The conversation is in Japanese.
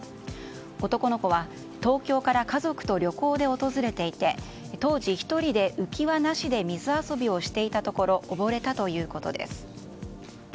男の子は東京から家族と旅行で訪れていて当時、１人で浮き輪なしで水遊びをしていたところ溺れたということです。